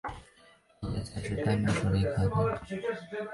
第一届赛事于丹麦首都哥本哈根主办。